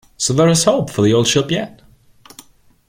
So there is hope for the old ship yet.